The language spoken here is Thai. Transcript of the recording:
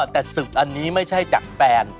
แต่ศึกอันนี้ไม่ใช่จากแฟน